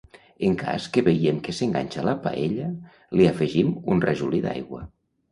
En cas que veiem que s'enganxa a la paella, li afegim un rajolí d'aigua.